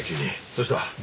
どうした？